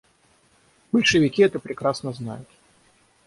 Большевики это прекрасно знают.